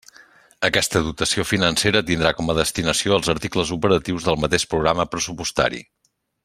Aquesta dotació financera tindrà com a destinació els articles operatius del mateix programa pressupostari.